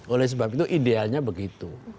oleh sebab itu idealnya begitu